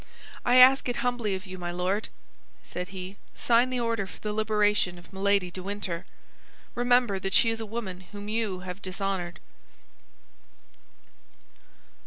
"I ask it humbly of you, my Lord," said he; "sign the order for the liberation of Milady de Winter. Remember that she is a woman whom you have dishonored."